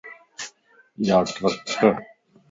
ياٽرک